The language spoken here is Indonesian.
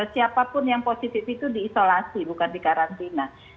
siapapun yang positif itu diisolasi bukan dikarantina